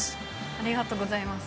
ありがとうございます。